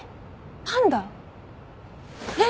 パンダ？えっ！？